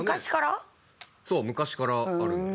そう昔からある。